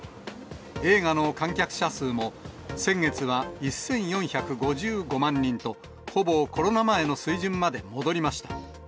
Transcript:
映画の観客者数も、先月は１４５５万人と、ほぼコロナ前の水準まで戻りました。